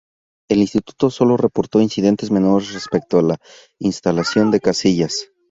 El Instituto solo reporto incidentes menores respecto a la instalación de casillas.